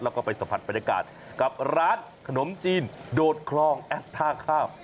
แล้วก็ไปสัมผัสบรรยากาศกับร้านขนมจีนโดดคลองแอดท่าข้าว